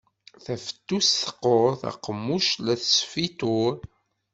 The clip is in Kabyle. Tafettust teqqur. Taqemmuct la tesfituṛ.